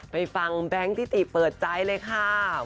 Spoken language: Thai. ไปฟังแบงค์ทิติเปิดใจเลยค่ะ